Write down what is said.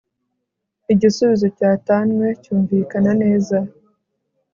igisubizo cyatanwe cyumvikana neza